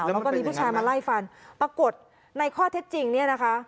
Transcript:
แล้วก็มีผู้ชายมาไล่ฟันปรากฏในข้อเท็จจริงเนี่ยนะคะ